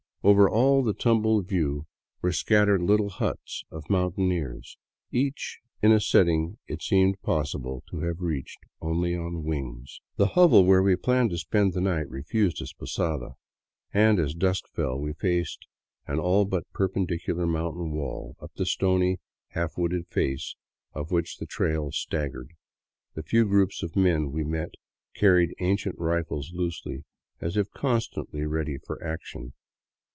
Over all the tumbled view were scattered little huts of mountaineers, each in a setting it seemed possible to have reached only on wings. The hovel where we planned to spend the night refused us posada, and, as dusk fell, we faced an all but perpendicular mountain wall, up the stony, half wooded face of which the trail staggered. The few groups of men we met carried ancient rifles loosely, as if constantly ready for action.